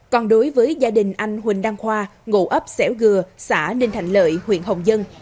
còn đối với gia đình anh huỳnh đăng khoa ngộ ấp xẻo gừa xã ninh thành lợi huyện hồng dân